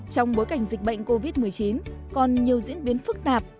trong bối cảnh dịch bệnh covid một mươi chín còn nhiều diễn biến phức tạp